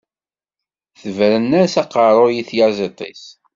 Tebren-as aqeṛṛuy i tyaẓiḍt-is.